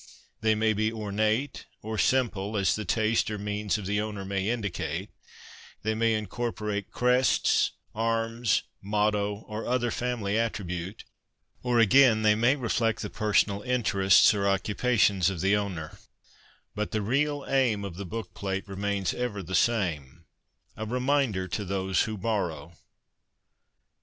They may be ornate or simple, as the taste or means of the owner may indicate ; they may incorporate crests, arms, motto, or other family attribute ; or, again, they may reflect the personal interests or occupa tions of the owner ; but the real aim of the book plate remains ever the same — a reminder to those who borrow.'